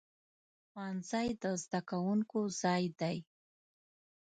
ښوونځی د زده کوونکو ځای دی.